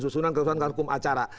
susunan kekuasaan hukum acara